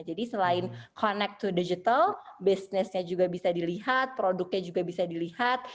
jadi selain connect to digital business nya juga bisa dilihat produknya juga bisa dilihat